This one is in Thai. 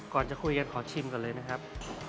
ก่อนจะคุยกันขอชิมก่อนเลยนะครับ